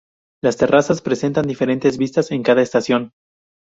Las terrazas presentan diferentes vistas en cada estación.